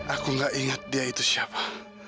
aku gak ingat dia itu siapa